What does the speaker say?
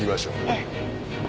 ええ。